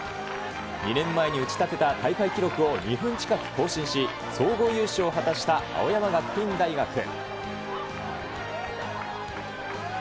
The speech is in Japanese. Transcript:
２年前に打ち立てた大会記録を２分近く更新し、総合優勝を果たした青山学院大学。